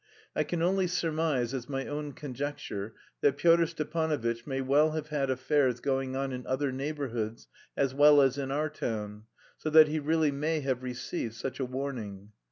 I can only surmise as my own conjecture that Pyotr Stepanovitch may well have had affairs going on in other neighbourhoods as well as in our town, so that he really may have received such a warning.